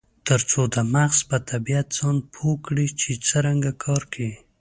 ترڅو د مغز په طبیعت ځان پوه کړي چې څرنګه کار کوي.